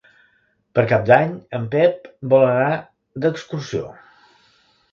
Per Cap d'Any en Pep vol anar d'excursió.